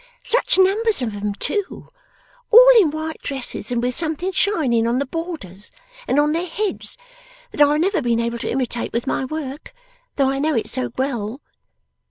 Such numbers of them too! All in white dresses, and with something shining on the borders, and on their heads, that I have never been able to imitate with my work, though I know it so well.